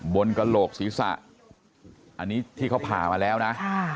กระโหลกศีรษะอันนี้ที่เขาผ่ามาแล้วนะ